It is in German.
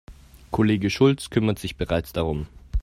Kollege Schulz kümmert sich bereits darum.